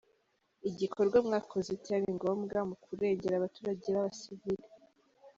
Igikorwa mwakoze cyari ngombwa mu kurengera abaturage b’abasivili.